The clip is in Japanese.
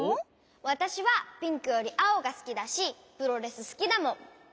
わたしはピンクよりあおがすきだしプロレスすきだもん！